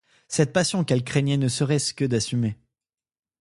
Cette passion qu’elle craignait ne serait-ce que d’assumer.